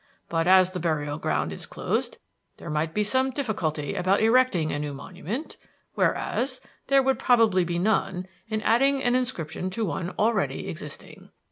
But, as the burial ground is closed, there might be some difficulty about erecting a new monument, whereas there would probably be none in adding an inscription to one already existing.